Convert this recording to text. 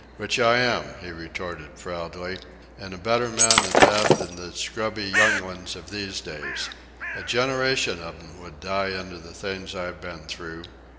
"Which I am," he retorted proudly, "an' a better man at that than the scrubby younglings of these days. A generation of 'em would die under the things I've been through.